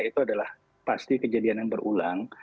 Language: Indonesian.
itu adalah pasti kejadian yang berulang